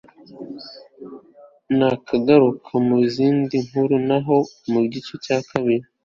nakagaruka mu zindi nkuru naho mu gice cya kabiri